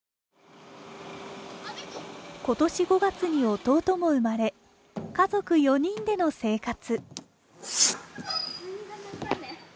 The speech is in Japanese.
今年５月に弟も生まれ、家族４人での生活。